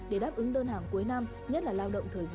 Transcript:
để đáp ứng đơn hàng cuối năm nhất là lao động thời vụ